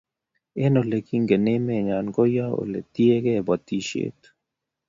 Eng' ole kingen emenyo ko yoo ole tiegei batishet